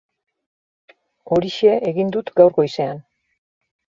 Horixe egin dut gaur goizean.